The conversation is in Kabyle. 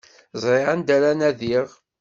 Ẓriɣ anda ara nadiɣ.